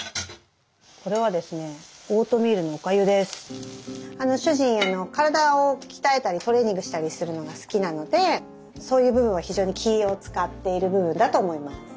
これはですね主人体を鍛えたりトレーニングしたりするのが好きなのでそういう部分は非常に気を遣っている部分だと思います。